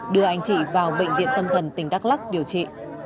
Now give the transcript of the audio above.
đưa anh chị vào bệnh viện tâm thần tỉnh đắk lắc điều trị